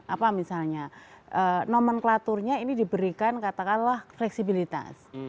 apa misalnya nomenklaturnya ini diberikan katakanlah fleksibilitas